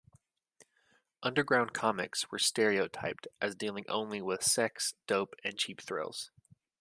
Underground comics were stereotyped as dealing only with sex, dope and cheap thrills.